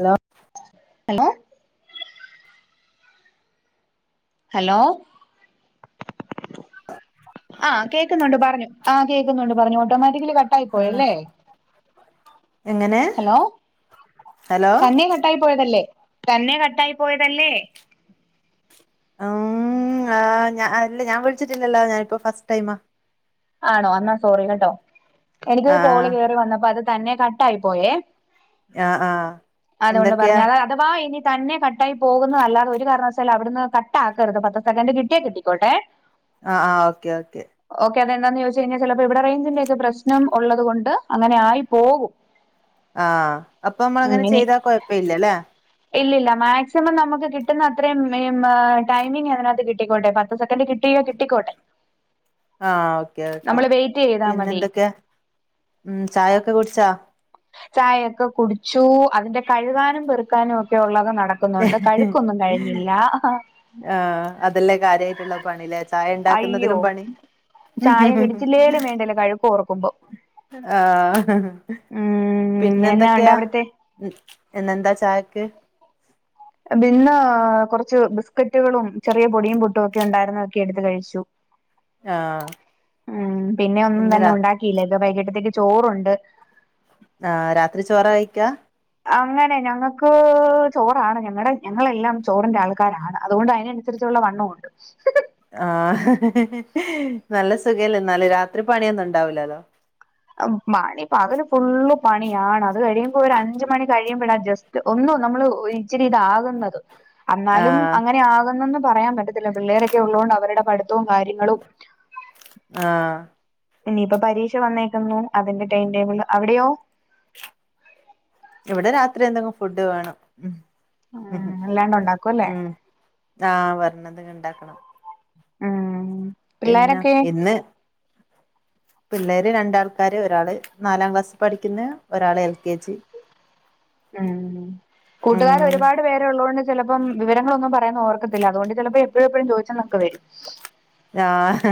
Hello hello hello [inaudible] ആഹ് കേക്ക്ന്നുണ്ട് പറഞ്ഞു ആഹ് കേക്കുന്നുണ്ട് പറഞ്ഞോ ഓട്ടോമാറ്റിക്കലി ആഹ് കട്ടായിപ്പോയല്ലേ എങ്ങനെ ഹലോ ഹലോ തന്നെ കട്ടായി പോയതല്ലേ തന്നെ കട്ടായിപോയതല്ലേ ഉം ഞാൻ ഞാ അല്ല ഞാൻ വിളിച്ചിട്ടില്ലല്ലോ ഞാനിപ്പോ ഫസ്റ്റ് ടൈമാ ആണോ അന്നാ സോറി കേട്ടോ എനിക്കൊരു കോള് ആഹ് കേറി വന്നപ്പോ അത് തന്നെ കട്ടായി പോയേ ആഹ് ആഹ് [inaudible] അതുകൊണ്ട് എന്തൊക്കെയാ പറഞ്ഞാഅത അഥവാ ഇനി തന്നെ കട്ട് കട്ടായി പോകുന്നഅല്ലാതെ ഒരു കാരണവശാലും അവിട്ന്ന് കട്ടാക്കരുത് പത്ത് സെകന്റ് കിട്ടിയെ കിട്ടിക്കോട്ടെ അഹ് ആഹ് ഓക്കേ ഓക്കെ കെതെന്തന്നം ന്ന്ചോയ്ച്ച് കഴിഞ്ഞാ ചെലപ്പോ ഇവിടെ റേഞ്ചിന്റെഒക്കെ പ്രശ്നം ഉള്ളതുകൊണ്ട് അങ്ങന ആയി പോകും ആഹ് അപ്പൊ ഉം അമ്മള്ങ്ങനെ ഇനി ചെയ്താ കൊഴപ്പ ഇല്ലല്ലേ ഇല്ലില്ല മാക്സിമം നമുക്ക് കിട്ടുന്ന അത്രയും ടൈമിംഗങ്ങനെ അത്തികിട്ടിക്കോട്ടെ പത്ത് സെക്കൻഡ് കിട്ട് കിട്ടിയോ കിട്ടിക്കോട്ടെ ആഹ് ഓക്കെ ഓക്കെ നമ്മള് വെയിറ്റ് ചെയ്താ പിന്നെ മതി. എന്തൊക്ക്യെ ഉം ചായൊക്കെ കുട്ച്ചോ ചായ ഒക്കെ കുട്ച്ചു അതിന്റെ കഴുകാനും പെറുക്കാനും ഒക്കെ ഉള്ള ക്കെ നടക്കുന്നുണ്ട് കഴുക്കൊന്നും കഴിഞ്ഞില്ല ആഹ് അതല്ലേ കാര്യായിട്ട്ള്ള പണില്ലേ അയ്യോ! ചായഇണ്ടാക്കുന്നതിലും പണി ഇതിന്റൊക്കെ കഴുക്ക് ഓർക്കുമ്പോ ആഹ് ഹഹ ഉം എന്നാ ഉണ്ട് പിന്നെന്തെക്കെയാ അവിടുത്തെ? ഉം ഇന്നെന്താ ചായക്ക് ബിന്നൊ കുറച്ച് ബിസ്ക്കറ്റുകളും ചെറിയ പൊടിയും പുട്ടും ഒക്കെ ഉണ്ടായിരുന്നൊക്കെ എടുത്ത് കഴിച്ചു [inaudible] ഉം പിന്നെ ഒന്നും ഇന്ന് തന്നെ രാ ഉണ്ടാക്കിയില്ല ഇത് വൈകിട്ടത്തേക്ക് ചോറുണ്ട് ആഹ് രാത്രി ചോറ കഴിക്കാ അങ്ങനെ ഞങ്ങക്ക് ചോറാണ് ഞങ്ങടെ ഞങ്ങളെല്ലാം ചോറിന്റെ ആൾക്കാരാണ്. അതുകൊണ്ട് അയിനൻ രിച്ചുള്ള വണ്ണമുണ്ട്. ആഹ് ഹ് ഹ് നല്ല സുഖല്ലെ ഇന്നാല് രാത്രി പണിയൊന്നും ഉണ്ടാവുല്ലല്ലോ. അ മണി പകല് ഫുള്ള് പണിയാണ് അത് കഴിയുമ്പോ ഒരു അഞ്ച് മണി കഴിയുമ്പോളാ ജസ്റ്റ് ഒന്നോ നമ്മള് ഇച്ചിരി ഇതാകുന്നത് അന്നാലും ആഹ് അങ്ങനെ ആകുന്നന്ന് പറയാൻ പറ്റത്തില്ല പിള്ളേരൊക്കെ ഉള്ളതൊണ്ട് അവരുടെ പഠിത്തവും കാര്യങ്ങളും ആഹ് ഇനിയിപ്പ പരീക്ഷ വന്നേക്കുന്നു അതിന്റെ ടൈം ടേബിൾ. അവിടെയോ? ഇവ്ടെ രാത്രി എന്തങ്ങും ഫുഡ് വേണം ഉം ഉം അല്ലാണ്ട് ഉണ്ടാക്കും അല്ലേ ഉം ആഹ് പറഞ്ഞത് ഇണ്ടാക്കണം. ആഹ് പിന്നെ ഇന്ന് പിള്ളേര് രണ്ടാൾക്കാര് ഒരാള് നാലാം ക്ലാസി പഠിക്ക്ന്ന് ‌ ഒരാള് എൽ കെ ജി ഉം കൂട്ടുകാര് ഉം ഒര്പാട് പേരുള്ളകൊണ്ട് ചെലപ്പം വിവരങ്ങളൊന്നും പറ കാരണം ഓർക്കത്തില്ല അതുകൊണ്ട് ചെലപ്പോ എപ്പഴും എപ്പഴും ചോയിച്ചൊന്നൊക്കെ വരും ആഹ്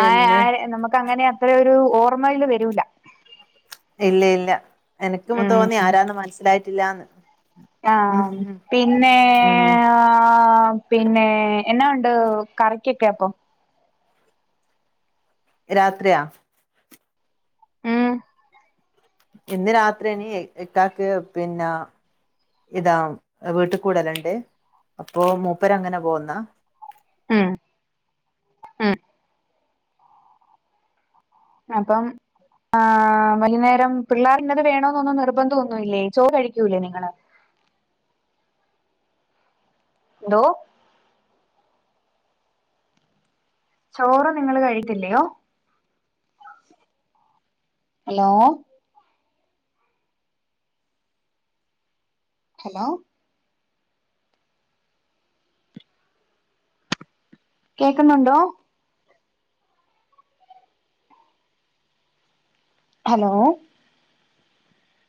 ആഹ് ആഹ് നമുക്ക് അങ്ങനെയാ അത്രയൊരു ഓർമ്മയില് വെരൂല ഇല്ല ഇല്ല എനിക്കും തോന്നി ഉം ആരാന്ന് മനസ്സിലായിട്ടില്ലാന്ന് ഉം ആഹ് പിന്നേ ഉം ആഹ് പിന്നെ എന്നാ ഒണ്ട് കറിക്കൊക്കെ അപ്പൊ രാത്രിയാ ഉം ഇന്ന് രാത്രി ഇനി ഇക്കാക്ക് പിന്നേ ഇതാ വീട്ടിക്കൂടെ രണ്ട് അപ്പോ മൂപ്പര് അങ്ങനെ പോകുന്നതാ ഉം ഉം അപ്പം ആഹ് വലിന്നേരം പിള്ളാരിന്നത് വേണംനൊന്നും നിർബന്ധംവൊന്നുവില്ലേ ചോറ് കഴിക്കൂല്ലേ നിങ്ങള് ന്തോ? ചോറ് നിങ്ങൾ കഴിക്കില്ലയോ ഹലോ ഹലോ കേക്ക്‌ന്നൊണ്ടോ? ഹലോ